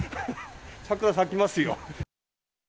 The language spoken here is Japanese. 桜咲きますよ。